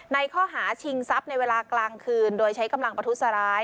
ในข้อหาชิงทรัพย์ในเวลากลางคืนโดยใช้กำลังประทุษร้าย